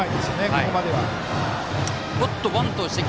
ここまでは。